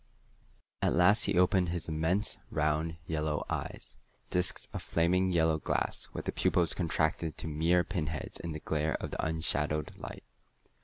At last he opened his immense round yellow eyes discs of flaming yellow glass with the pupils contracted to mere pinheads in the glare of the unshadowed light.